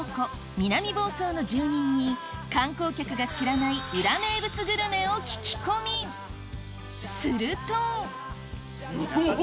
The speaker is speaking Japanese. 南房総の住人に観光客が知らない裏名物グルメを聞き込みするとおぉ！